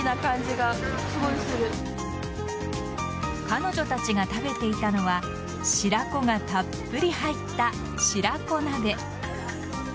彼女たちが食べていたのは白子がたっぷり入った白子鍋。